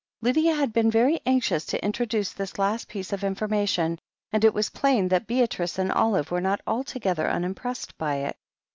Lydia had been very anxious to introduce this last piece of information, and it was plain that Beatrice and Olive were not altogether uni^:^)ressed by it.